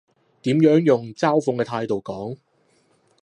點樣用嘲諷嘅態度講？